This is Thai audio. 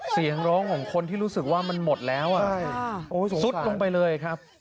เสียงร้องของคนที่รู้สึกว่ามันหมดแล้วซุดลงไปเลยครับ